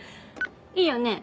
いいよね？